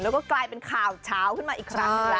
แล้วก็กลายเป็นข่าวเช้าขึ้นมาอีกครั้ง